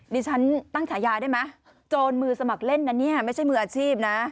ดิฉันตั้งฉายาได้ไหมโจรมือสมัครเล่นนะเนี่ยไม่ใช่มืออาชีพนะ